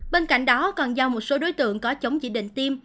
bên cạnh đó còn do một số đối tượng có chống chỉ định tiêm